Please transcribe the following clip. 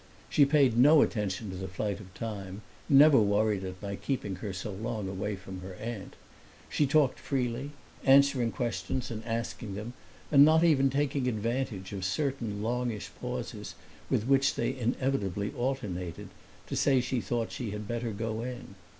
She paid no attention to the flight of time never worried at my keeping her so long away from her aunt. She talked freely, answering questions and asking them and not even taking advantage of certain longish pauses with which they inevitably alternated to say she thought she had better go in.